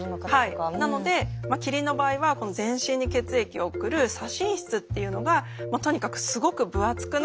なのでキリンの場合は全身に血液を送る左心室っていうのがとにかくすごく分厚くなる。